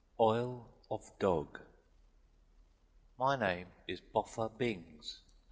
OIL OF DOG My name is Boffer Bings.